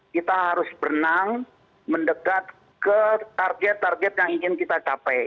kita harus berenang mendekat ke target target yang ingin kita capai